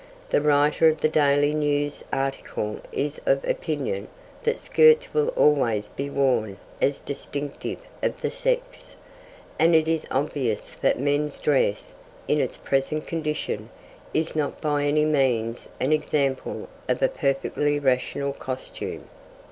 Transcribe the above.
The writer of the Daily News article is of opinion that skirts will always be worn as distinctive of the sex, and it is obvious that men's dress, in its present condition, is not by any means an example of a perfectly rational costume.